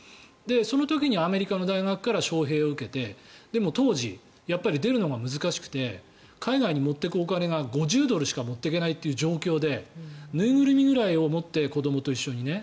その時にアメリカの大学から招へいを受けてでも当時やっぱり出るのが難しくて海外に持っていくお金が５０ドルしか持っていけないという状況で縫いぐるみぐらいを持って子どもと一緒にね。